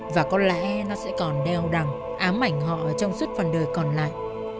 và có lẽ nó sẽ còn đeo đằng ám ảnh họ trong suốt phần đời còn lại